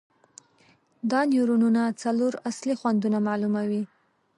دا نیورونونه څلور اصلي خوندونه معلوموي.